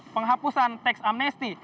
penghapusan teks amnesti